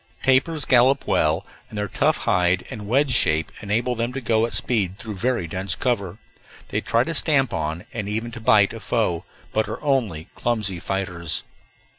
Tapirs gallop well, and their tough hide and wedge shape enable them to go at speed through very dense cover. They try to stamp on, and even to bite, a foe, but are only clumsy fighters.